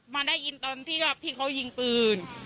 มาได้ยินตอนที่ว่าพี่เขายิงปืน